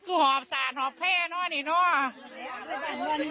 กูหอบสารหอบแพ่เนาะนี่เนาะ